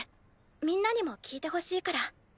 みんなにも聞いてほしいから。